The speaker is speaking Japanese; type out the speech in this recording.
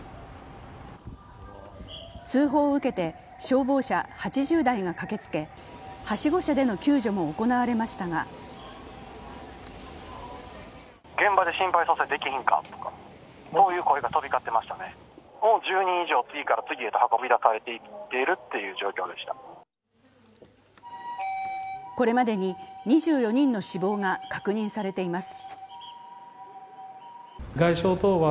通報を受けて消防車８０台が駆けつけはしご車での救助も行われましたがこれまでに２４人の死亡が確認されています。